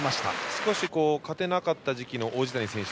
少し勝てなかった時期の王子谷選手